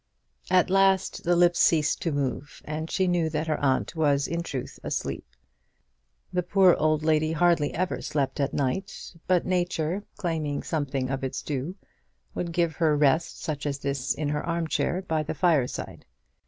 At last the lips ceased to move, and she knew that her aunt was in truth asleep. The poor old lady hardly ever slept at night; but nature, claiming something of its due, would give her rest such as this in her arm chair by the fire side.